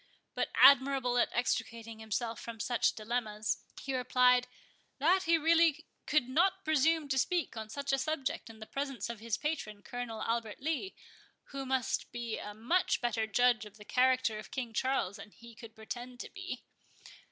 But, admirable at extricating himself from such dilemmas, he replied, "that he really could not presume to speak on such a subject in the presence of his patron, Colonel Albert Lee, who must be a much better judge of the character of King Charles than he could pretend to be."